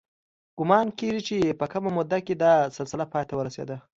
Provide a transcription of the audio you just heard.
ګومان کېږي چې په کمه موده کې دا سلسله پای ته ورسېده